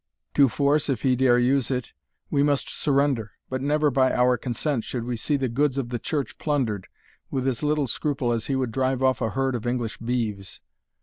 To force, if he dare use it, we must surrender; but never by our consent should we see the goods of the church plundered, with as little scruple as he would drive off a herd of English beeves.